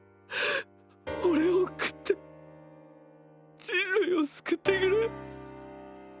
オレを食って人類を救ってくれ。